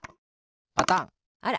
パタンあら。